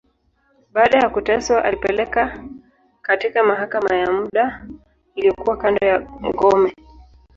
Baada ya kuteswa, alipelekwa katika mahakama ya muda, iliyokuwa kando ya ngome.